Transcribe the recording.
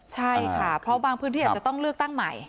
ใช่ค่ะเพราะบางพื้นที่อาจจะต้องเลือกตั้งใหม่